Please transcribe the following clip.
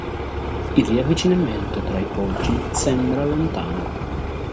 Il riavvicinamento tra i Poggi sembra lontano.